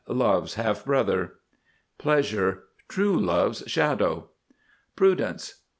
Love's half brother. PLEASURE. True Love's shadow. PRUDENCE.